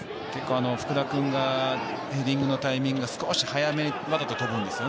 福田君がヘディングのタイミングが少し早めだったら飛ぶんですよね。